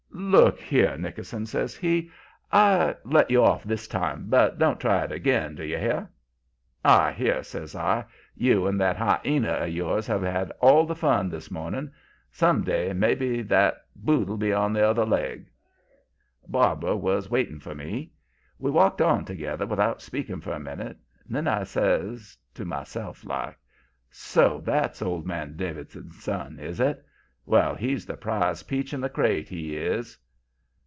"'Look here, Nickerson,' says he. 'I let you off this time, but don't try it again; do you hear?' "'I hear,' says I. 'You and that hyena of yours have had all the fun this morning. Some day, maybe, the boot'll be on t'other leg.' "Barbara was waiting for me. We walked on together without speaking for a minute. Then I says, to myself like: 'So that's old man Davidson's son, is it? Well, he's the prize peach in the crate, he is!'